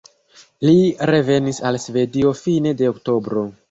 Li revenis al Svedio fine de oktobro.